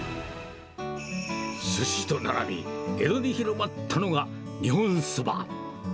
すしと並び、江戸で広まったのが日本そば。